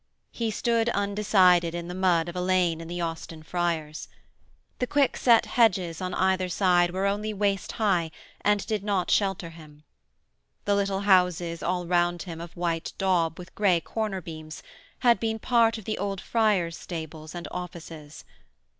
He stood undecided in the mud of a lane in the Austin Friars. The quickset hedges on either side were only waist high and did not shelter him. The little houses all round him of white daub with grey corner beams had been part of the old friars' stables and offices.